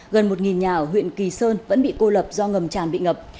gần một nhà ở huyện kỳ sơn vẫn bị cô lập do ngầm tràn bị ngập